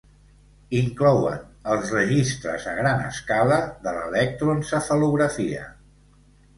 Inclouen els registres a gran escala de l'electroencefalografia.